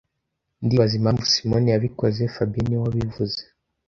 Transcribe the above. Ndibaza impamvu Simoni yabikoze fabien niwe wabivuze